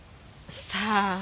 さあ。